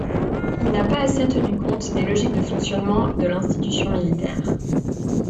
Il n'a pas assez tenu compte des logiques de fonctionnement de l'institution militaire.